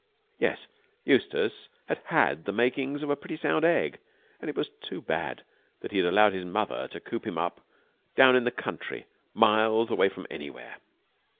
Yes, Eustace had had the makings of a pretty sound egg, and it was too bad that he had allowed his mother to coop him up down in the country miles away from anywhere.